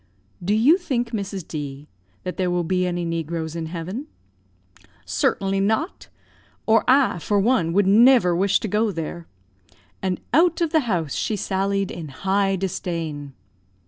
"Do you think, Mrs. D , that there will be any negroes in heaven?" "Certainly not, or I, for one, would never wish to go there;" and out of the house she sallied in high disdain.